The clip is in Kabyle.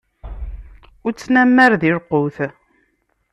Ur ttnamar di lqut!